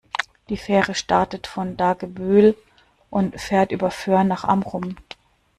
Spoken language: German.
Die Fähre startet von Dagebüll und fährt über Föhr nach Amrum.